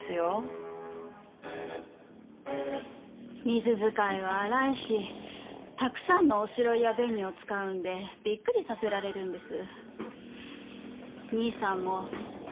水づかいは荒いしたくさんの白粉や紅を使うんでびっくりさせられるんです。